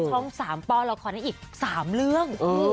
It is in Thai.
ช่องสามป่อร์ราคานะอีก๓เรื่อง